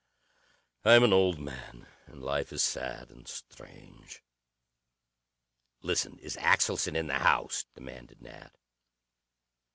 I am an old man, and life is sad and strange." "Listen. Is Axelson in the house?" demanded Nat.